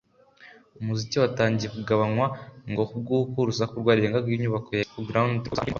umuziki watangiye kugabanywa ngo ‘ku bw’uko urusaku rwarengaga inyubako ya Expo Ground’ rukabuza amahwemo abaturiye aha hantu